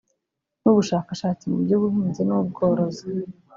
n’ Ubushakashatsi mu by’ubuhinzi n’ubworozi